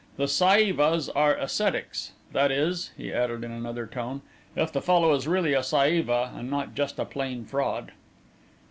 The Saivas are ascetics. That is," he added, in another tone, "if the fellow is really a Saiva and not just a plain fraud."